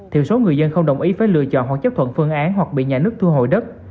thiểu số người dân không đồng ý phải lựa chọn hoặc chấp thuận phương án hoặc bị nhà nước thu hồi đất